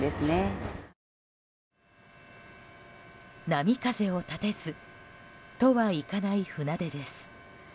波風を立てずとはいかない船出です。